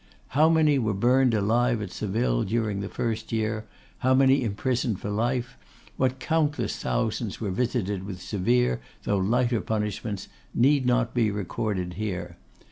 How many were burned alive at Seville during the first year, how many imprisoned for life, what countless thousands were visited with severe though lighter punishments, need not be recorded here.